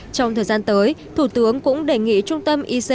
trong thời gian tới thủ tướng cũng đề nghị trung tâm ic